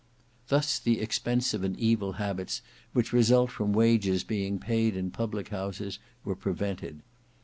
Thus the expensive and evil habits which result from wages being paid in public houses were prevented.